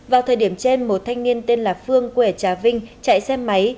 vào thời điểm trên một thanh niên tên là phương quể trà vinh chạy xe máy